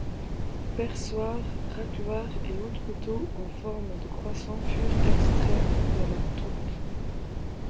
Perçoirs, racloirs et autres couteaux en forme de croissants furent extraits de la tourbe.